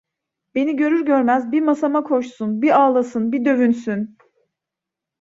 Beni görür görmez bir masama koşsun, bir ağlasın, bir dövünsün!